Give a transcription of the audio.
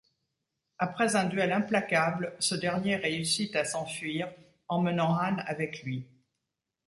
Après un duel implacable, ce dernier réussit à s'enfuir, emmenant Han avec lui.